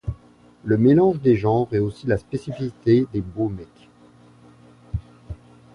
Le mélange des genres est aussi la spécificité des Beaux Mecs.